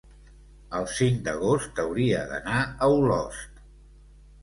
el cinc d'agost hauria d'anar a Olost.